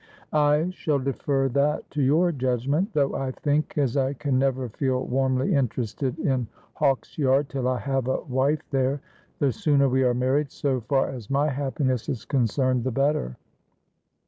' I shall defer that to your judgment ; though I think, as I can never feel warmly interested in Hawksyard till I have a wife there, the sooner we are married, so far as my happiness is concerned, the better.'